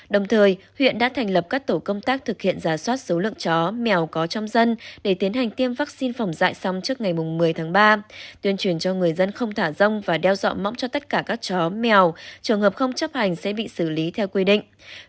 đồng thời huyện đã thành lập các tổ công tác thực hiện giả soát số lượng chó mèo có trong dân để tiến hành tiêm vaccine phòng dạy xong trước ngày một mươi tháng ba tuyên truyền cho người dân không thả rông và đeo dọa mõng cho tất cả các chó mèo trường hợp không chấp hành sẽ bị xử lý theo quy định